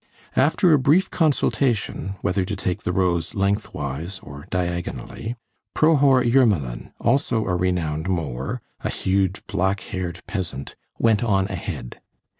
After a brief consultation—whether to take the rows lengthwise or diagonally—Prohor Yermilin, also a renowned mower, a huge, black haired peasant, went on ahead.